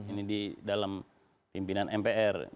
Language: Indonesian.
ini di dalam pimpinan mpr